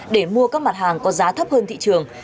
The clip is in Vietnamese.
để mua các mặt hàng có giá thấp hơn thị trường